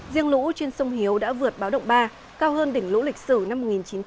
riêng lũ trên sông hiếu đã vượt báo động ba cao hơn đỉnh lũ lịch sử năm một nghìn chín trăm bảy mươi